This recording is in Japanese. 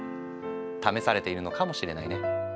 試されているのかもしれないね。